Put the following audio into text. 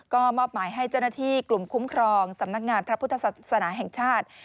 ก็มอบหมายให้เจ้าหน้าที่กลุ่มคุ้มครองสำนักงานพระพุทธศาสนาแห่งชาติ